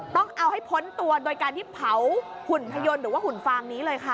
ต้องเอาให้พ้นตัวโดยการที่เผาหุ่นพยนต์หรือว่าหุ่นฟางนี้เลยค่ะ